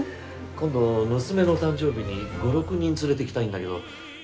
今度娘の誕生日に５６人連れてきたいんだけど。